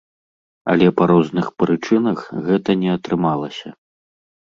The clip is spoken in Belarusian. Але па розных прычынах гэта не атрымалася.